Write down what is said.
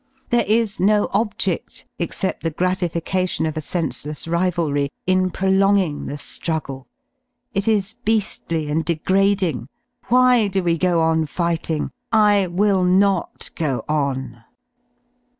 There is no objedl, except the gratification of a senseless rivalry, in prolonging the druggie; it is bea^ly and degrading. Why do we go i on fighting? I will not go on."